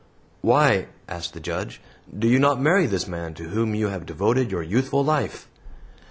"Why," asked the Judge, "do you not marry this man to whom you have devoted your youthful life?"